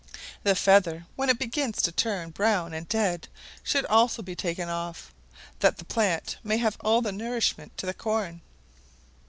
The feather, when it begins to turn brown and dead, should also be taken off; that the plant may have all the nourishment to the corn.